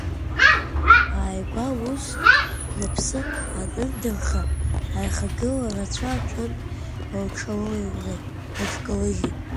Ааигәа аӡәы, ус лыԥсы анындырха, аихагыла рацәа аҿынтә лҽалыҩрны лыҽкалыжьит.